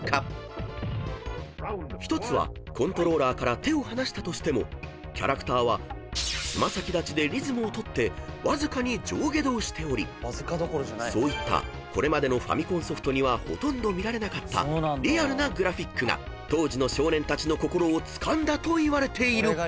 ［１つはコントローラーから手を離したとしてもキャラクターは爪先立ちでリズムを取ってわずかに上下動しておりそういったこれまでのファミコンソフトにはほとんど見られなかったリアルなグラフィックが当時の少年たちの心をつかんだといわれている］